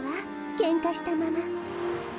けんかしたまま。